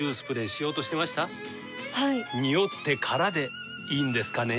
ニオってからでいいんですかね？